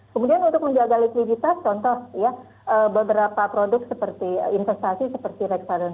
kemudian untuk menjaga likuiditas contoh beberapa produk seperti investasi seperti reksadana pasar uang